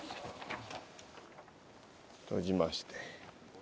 閉じまして。